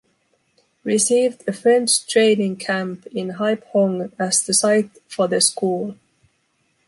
Received a French training camp in Haiphong as the site for the school.